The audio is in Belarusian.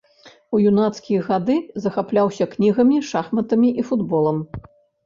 У юнацкія гады захапляўся кнігамі, шахматамі і футболам.